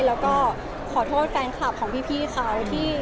แล้วก็ขอโทษแฟนคลับของพี่เขา